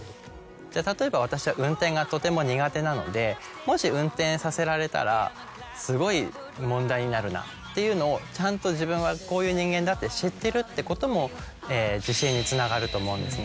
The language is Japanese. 例えば私は運転がとても苦手なのでもし運転させられたらすごい問題になるなっていうのをちゃんと自分はこういう人間だって知ってるってことも自信につながると思うんですね。